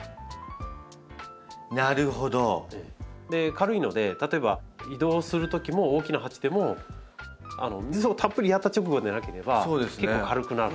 軽いので例えば移動するときも大きな鉢でも水をたっぷりやった直後でなければ結構軽くなるので。